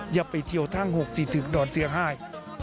อย่าไปเที่ยวทางหกสี่ถึกดอนเสียงห้าย